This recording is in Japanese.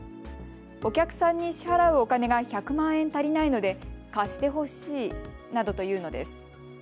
お客さんに支払うお金が１００万円足りないので貸してほしいなどと言うのです。